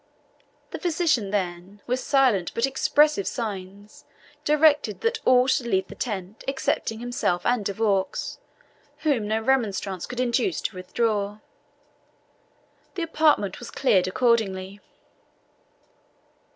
The physician then, with silent but expressive signs, directed that all should leave the tent excepting himself and De Vaux, whom no remonstrance could induce to withdraw. The apartment was cleared accordingly.